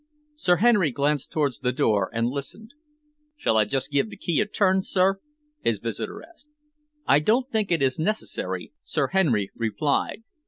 Sir Henry glanced towards the door and listened. "Shall I just give the key a turn, sir?" his visitor asked. "I don't think it is necessary," Sir Henry replied.